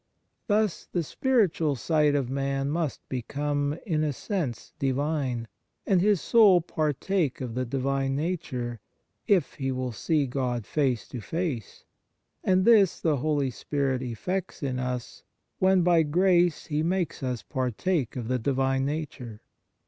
Thus, the spiritual sight of man must become in a sense Divine, and his soul partake of the Divine Nature, if he will see God face to face; and this the Holy Spirit effects in us when by grace He makes us partake ol the Divine Nature.